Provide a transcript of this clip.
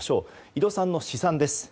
井戸さんの試算です。